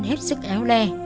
hết sức éo le